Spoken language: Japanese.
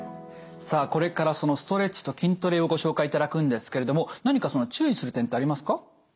さあこれからそのストレッチと筋トレをご紹介いただくんですけれども何かその注意する点ってありますか？